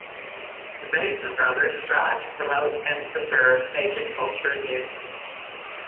The Basin Brothers strived to promote and preserve Cajun culture and music.